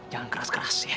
jangan keras keras ya